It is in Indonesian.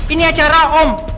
ini acara om